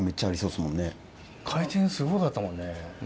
回転すごかったもんね。